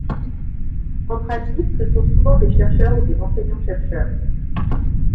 En pratique, ce sont souvent des chercheurs ou des enseignants-chercheurs.